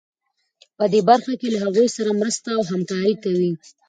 په دې برخه کې له هغوی سره مرسته او همکاري کوي.